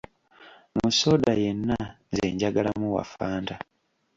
Mu soda yenna nze njagalamu wa Fanta.